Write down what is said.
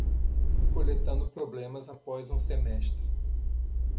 Coletando problemas após um semestre